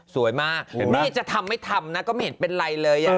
สวยมากนี่จะทำไม่ทำนะก็ไม่เห็นเป็นไรเลย